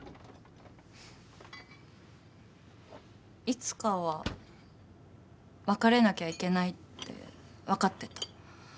いつかは別れなきゃいけないって分かってた。